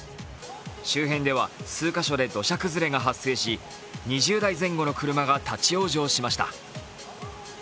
周辺では数カ所で土砂崩れが発生し、２０台前後の車が立往生しました。